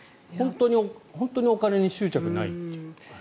本当にお金に執着がないと。